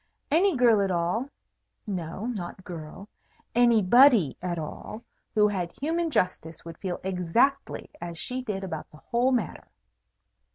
Any girl at all no, not girl, anybody at all who had human justice would feel exactly as she did about the whole matter.